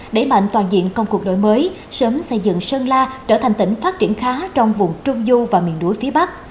đẩy mạnh toàn diện công cuộc đổi mới sớm xây dựng sơn la trở thành tỉnh phát triển khá trong vùng trung du và miền núi phía bắc